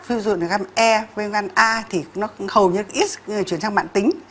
ví dụ như viêm gan e viêm gan a thì nó hầu như ít chuyển sang mạng tính